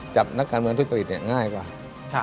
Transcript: จับนักการเมืองทุกศ์กรีชเนี่ยง่ายกว่า